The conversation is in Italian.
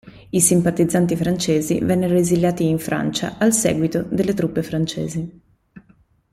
I simpatizzanti francesi vennero esiliati in Francia al seguito delle truppe francesi.